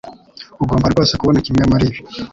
Ugomba rwose kubona kimwe muribi.